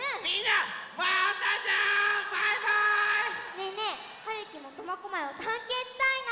ねえねえはるきも苫小牧をたんけんしたいな。